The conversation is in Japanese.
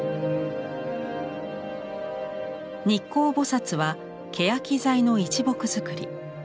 日光菩はケヤキ材の一木造り。